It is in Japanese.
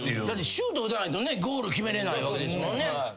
だってシュート打たないとねゴール決めれないわけですもんね。